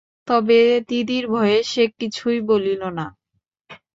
তবে দিদির ভয়ে সে কিছুই বলিল না।